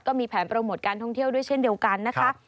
ก็มีแผนโปรโมทการท่องเที่ยวด้วยเช่นเดียวกันนะคะ